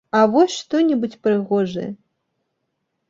А вось што-небудзь прыгожае!